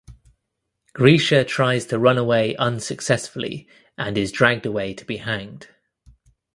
Grisha tries to run away unsuccessfully and is dragged away to be hanged.